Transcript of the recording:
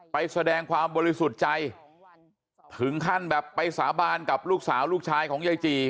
ไปแสดงความบริสุทธิ์ใจถึงขั้นแบบไปสาบานกับลูกสาวลูกชายของยายจี่